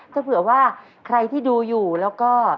ถ้าเผื่อว่าใครที่ดูอยู่แล้วก็